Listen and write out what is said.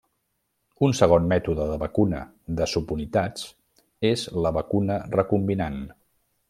Un segon mètode de vacuna de subunitats és la vacuna recombinant.